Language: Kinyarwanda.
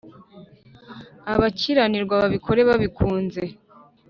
abakiranirwa babikora babikunze